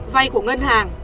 vay của ngân hàng